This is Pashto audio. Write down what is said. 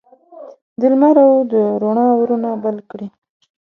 د لمر او د روڼا اورونه بل کړي